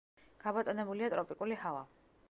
გაბატონებულია ტროპიკული ჰავა.